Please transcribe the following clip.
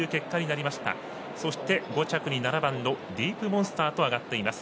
そして、５着に７番ディープモンスターとあがっています。